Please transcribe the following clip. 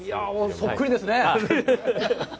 そっくりですね。